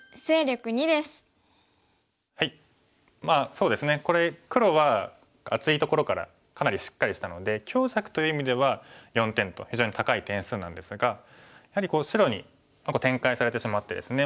そうですねこれ黒は厚いところからかなりしっかりしたので強弱という意味では４点と非常に高い点数なんですがやはり白に展開されてしまってですね